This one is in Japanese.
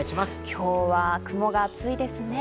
今日は雲が厚いですね。